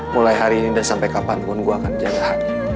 mulai hari ini dan sampai kapanpun gue akan jaga hati